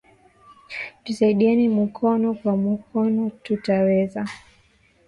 Tusaidiane mukono kwa mukono tuta weza